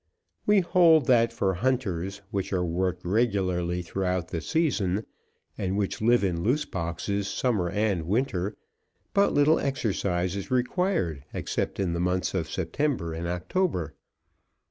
We hold that for hunters which are worked regularly throughout the season, and which live in loose boxes summer and winter, but little exercise is required except in the months of September and October.